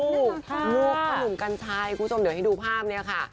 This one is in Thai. ลูกบำหนุ่มกันชายคุณชมเดี๋ยวให้ดูภาพนี่ละค่ะ